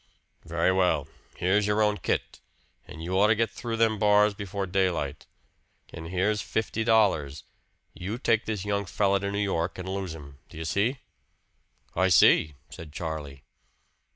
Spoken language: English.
"Very well. Here's your own kit and you ought to get through them bars before daylight. And here's fifty dollars. You take this young fellow to New York and lose him. Do you see?" "I see," said Charlie.